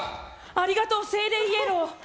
ありがとうセイレイイエロー。